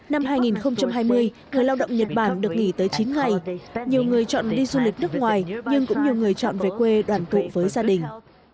năm hai nghìn hai mươi người lao động nhật bản được nghỉ tới chín ngày nhiều người chọn đi du lịch nước ngoài nhưng cũng nhiều người chọn về quê đoàn tụ với gia đình